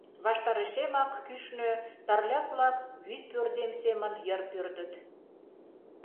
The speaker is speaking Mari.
Ваштарешемак, кӱшнӧ, тарляк-влак вӱдпӧрдем семын йыр пӧрдыт.